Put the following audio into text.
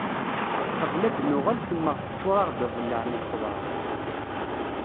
Qbel ad d-nuɣal temmeɣ teččur-aɣ-d aḍellaɛ n lxeḍra.